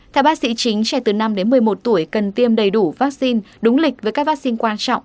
theo bác sĩ chính trẻ từ năm đến một mươi một tuổi cần tiêm đầy đủ vaccine đúng lịch với các vaccine quan trọng